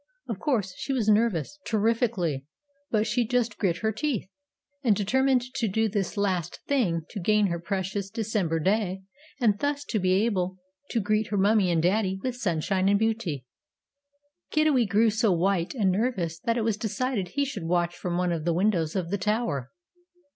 Of course, she was nervous "terrifikly" but she just grit her teeth, and determined to do this last thing to gain her precious December day, and thus to be able to greet her Mummie and Daddy with sunshine and beauty. Kiddiwee grew so white and nervous that it was decided he should watch from one of the windows of the tower.